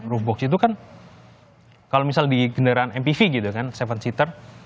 roof box itu kan kalau misal di kendaraan mpv gitu kan tujuh seater